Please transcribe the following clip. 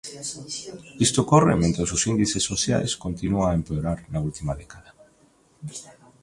Isto ocorre mentres os índices sociais continúan a empeorar na última década.